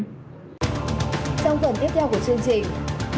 trong phần tiếp theo của chương trình